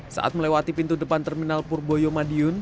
saat melewati pintu depan terminal purboyo madiun